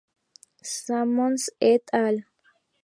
Samson et al.